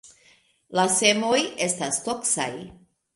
La semoj estas toksaj.